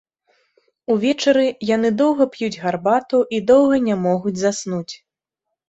Увечары яны доўга п'юць гарбату і доўга не могуць заснуць.